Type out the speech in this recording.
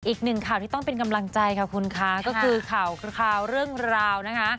อีกหนึ่งข่าวที่ต้องเป็นกำลังใจค่ะคุณคะก็คือข่าวเรื่องราวนะคะ